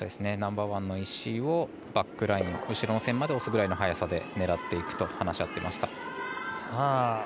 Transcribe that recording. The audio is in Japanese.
ナンバーワンの石をバックライン、後ろの線まで押すぐらいの強さで狙っていくと話し合ってました。